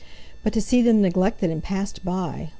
But to see them neglected and passed by!